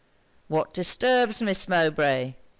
'What disturbs Miss Mowbray?'